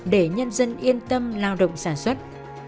để nhân dân yên tâm lao động sản xuất